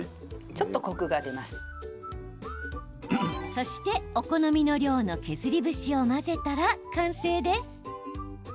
そして、お好みの量の削り節を混ぜたら完成です。